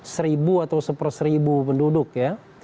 seribu atau seper seribu penduduk ya